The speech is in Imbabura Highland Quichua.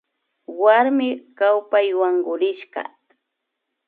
Warmi kawpay wankurishka